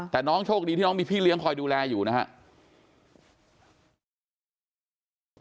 แต่น้องโชคดีที่น้องมีพี่เลี้ยงคอยดูแลอยู่นะครับ